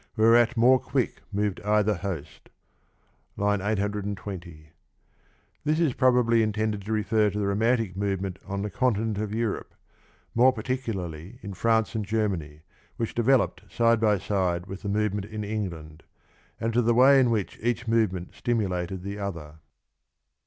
Whereat more quick Moved either host. (III. 820) This is probably intended to refer to the romantic move ment on the continent of Europe, more particularly in France and Germany, which developed side by side with the movement in England, and to the way in which ea(h movement stimulated the other.